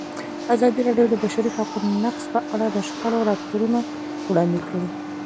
ازادي راډیو د د بشري حقونو نقض په اړه د شخړو راپورونه وړاندې کړي.